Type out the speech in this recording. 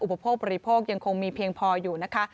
โภคบริโภคยังคงมีเพียงพออยู่นะคะ